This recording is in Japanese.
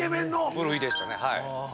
部類でしたね。